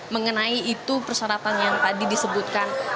mengenai itu persyaratan yang tadi disebutkan